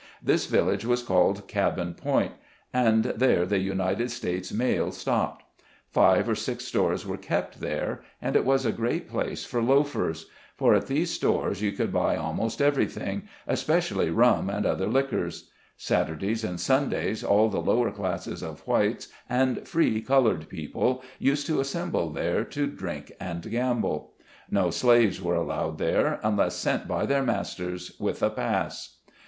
This village was called "Cabin Point", and there the United States mail stopped. Five or six FARMS ADJOINING EDLOE'S. 173 stores were kept there, and it was a great place for loafers ; for at these stores you could buy almost everything, especially rum and other liquors. Sat urdays and Sundays, all the lower class of whites and free colored people used to assemble there, to drink and gamble. No slaves were allowed there, unless sent by their masters, with a pass.